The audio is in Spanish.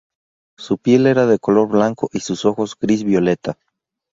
Su piel era de color blanco y sus ojos, gris-violeta.